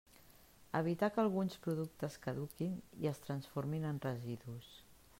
Evitar que alguns productes caduquin i es transformin en residus.